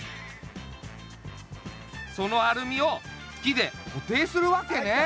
そのアルミを木でこていするわけね。